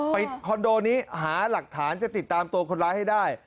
คอนโดนี้หาหลักฐานจะติดตามตัวคนร้ายให้ได้